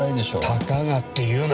たかがって言うな。